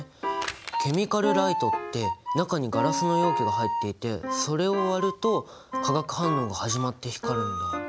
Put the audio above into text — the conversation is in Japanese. ケミカルライトって中にガラスの容器が入っていてそれを割ると化学反応が始まって光るんだ。